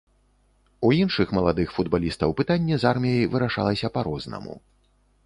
У іншых маладых футбалістаў пытанне з арміяй вырашалася па-рознаму.